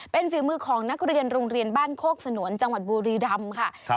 เป็นฝีมือของนักเรียนโรงเรียนบ้านโคกสนวนจังหวัดบุรีรำค่ะ